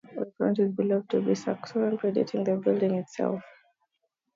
The font is believed to be Saxon, predating the building itself.